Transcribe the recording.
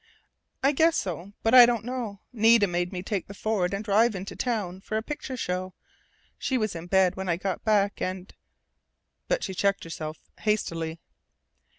"I guess so, but I don't know. Nita made me take the Ford and drive into town for a picture show. She was in bed when I got back, and " but she checked herself hastily.